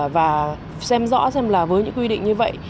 và xem rõ xem là với những quy định như vậy